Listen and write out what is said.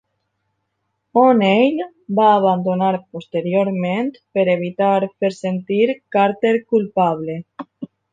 O'Neill va "abandonar" posteriorment per evitar fer sentir Carter culpable.